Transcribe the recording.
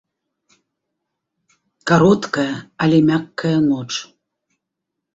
Кароткая, але мяккая ноч.